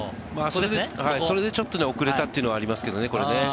それでちょっと遅れたというのありますけれどもね。